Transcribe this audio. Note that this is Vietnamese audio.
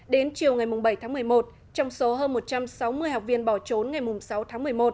đến chiều ngày bảy tháng một mươi một trong số hơn một trăm sáu mươi học viên bỏ trốn ngày sáu tháng một mươi một